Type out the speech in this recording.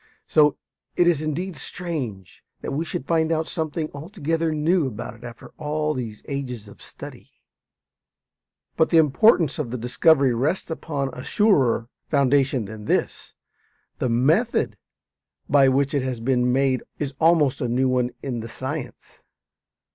So it is indeed strange that we should find out something altogether new about it after all these ages of study. But the importance of the discovery rests upon a surer foundation than this. The method by which it has been made is almost a new one in the science.